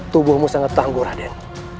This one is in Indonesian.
tubuhmu sangat tangguh raden